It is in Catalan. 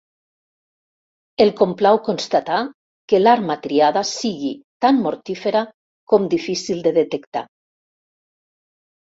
El complau constatar que l'arma triada sigui tan mortífera com difícil de detectar.